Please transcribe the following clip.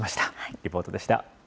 リポートでした。